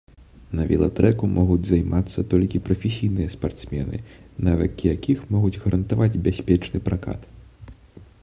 На велатрэку могуць займацца толькі прафесійныя спартсмены, навыкі якіх могуць гарантаваць бяспечны пракат.